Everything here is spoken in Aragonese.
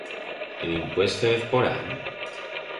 E dimpués fébez porán?